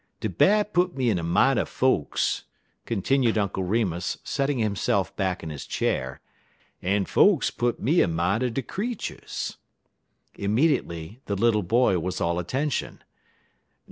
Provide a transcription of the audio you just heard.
De Bat put me in min' er folks," continued Uncle Remus, settling himself back in his chair, "en folks put me in min' er de creeturs." Immediately the little boy was all attention.